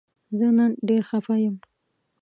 زه نن ډیر خفه یم